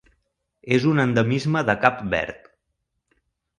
És un endemisme de Cap Verd.